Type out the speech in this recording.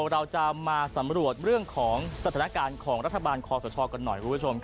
เราจะมาสำรวจเรื่องของสถานการณ์ของรัฐบาลคอสชกันหน่อยคุณผู้ชม